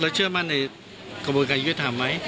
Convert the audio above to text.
แล้วเชื่อมั่นในกระบวนการยืดทำไหม